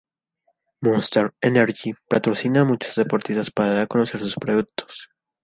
Monster Energy patrocina a muchos deportistas para dar a conocer sus productos.